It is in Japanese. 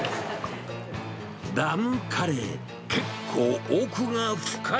ダムカレー、結構奥が深い。